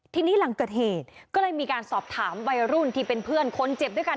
ทีนี้หลังเกิดเหตุก็เลยมีการสอบถามวัยรุ่นที่เป็นเพื่อนคนเจ็บด้วยกัน